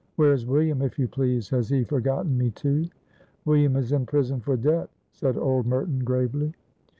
Where is William, if you please? Has he forgotten me, too?" "William is in prison for debt," said old Merton, gravely.